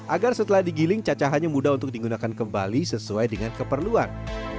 agar setelah digiling cacahannya mudah untuk digunakan kembali sesuai dengan keperluan